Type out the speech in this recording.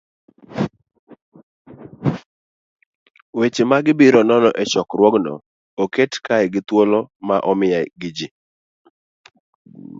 Weche ma ibiro non e chokruogno oket kae gi thuolo ma omiya gi ji